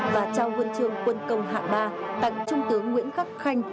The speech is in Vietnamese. và trao huân trường quân công hạng ba tặng trung tướng nguyễn khắc khanh